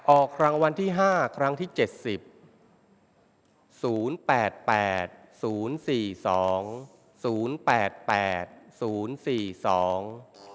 ออกรางวัลที่ห้าครั้งที่เจ็ดสิบศูนย์แปดแปดศูนย์สี่สองศูนย์แปดแปดศูนย์สี่สอง